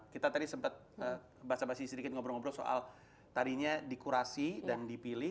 kita tadi sempat basa basi sedikit ngobrol ngobrol soal tadinya dikurasi dan dipilih